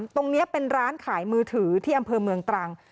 ตรงนี้เป็นร้านขายมือถือที่อำเภอเมืองตรัง